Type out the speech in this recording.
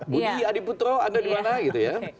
budi adiputro anda dimana